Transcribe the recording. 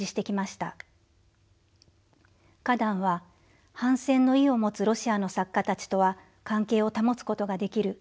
カダンは「反戦の意を持つロシアの作家たちとは関係を保つことができる。